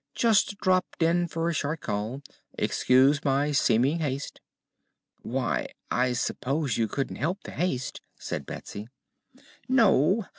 "Just dropped in for a short call. Excuse my seeming haste." "Why, I s'pose you couldn't help the haste," said Betsy. "No.